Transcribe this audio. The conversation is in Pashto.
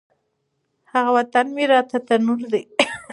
هغه وطن مي راته تنور دی